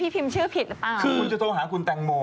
คุณจะโทรหาคุณแตงโม